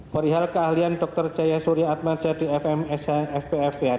perihal keahlian dr jaya surya atmaja di fmsh fpf